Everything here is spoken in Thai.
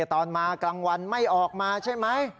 ตอนมากลางวันไม่ออกมาใช่ไหม